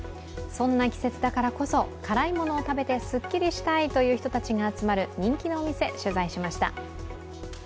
そんな季節だからこそ辛いものを食べてすっきりしたいという人たちが集まる人気のお店、取材しました。